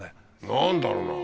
何だろうな？